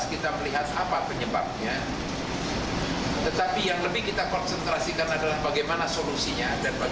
kita melihat apa penyebabnya tetapi yang lebih kita konsentrasikan adalah bagaimana solusinya dan bagi